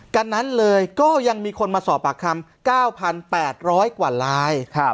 กันนั้นเลยก็ยังมีคนมาสอบปากคำ๙๘๐๐กว่าลาย